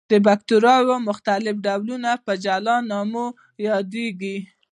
د باکتریاوو مختلف ډولونه په جلا نومونو یادیږي.